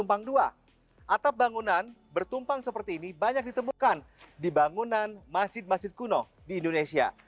atap bangunan bertumpang seperti ini banyak ditemukan di bangunan masjid masjid kuno di indonesia